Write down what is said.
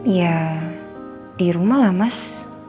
ya dirumah lah mas